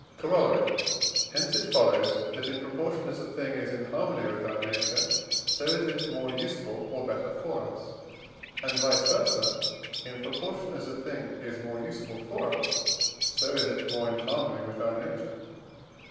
Corollary. Hence it follows, that, in proportion as a thing is in harmony with our nature, so is it more useful or better for us, and vice versâ, in proportion as a thing is more useful for us, so is it more in harmony with our nature.